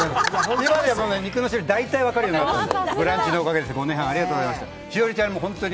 今では肉の種類大体分かるようになりました。